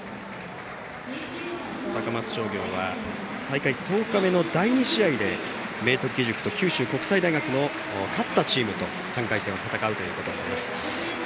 高松商業は大会１０日目の第２試合で明徳義塾と九州国際大学の勝ったチームと３回戦を戦うということになります。